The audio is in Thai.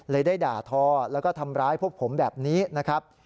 ได้ด่าทอแล้วก็ทำร้ายพวกผมแบบนี้นะครับ